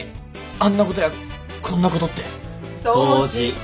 あんなことやこんなことって。掃除。